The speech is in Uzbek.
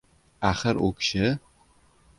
— Axir, u kishi…